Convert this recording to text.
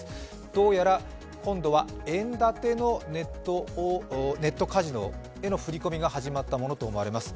どうやら今度は円建てのネットカジノへの振込が始まったものと思われます。